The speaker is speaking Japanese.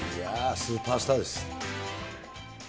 スーパースターです。